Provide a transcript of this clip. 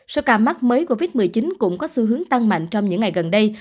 số ca mắc mới covid một mươi chín cũng có xu hướng tăng mạnh trong những ngày gần đây